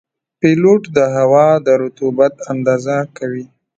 پیلوټ د هوا د رطوبت اندازه کوي.